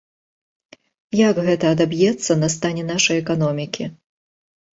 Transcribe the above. Як гэта адаб'ецца на стане нашай эканомікі?